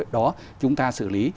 đó chúng ta xử lý